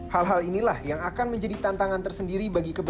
hal hal inilah yang akan menjadi tantangan tersendiri untuk pemerintahan ikn